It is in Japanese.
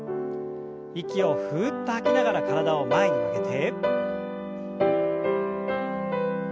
息をふっと吐きながら体を前に曲げて。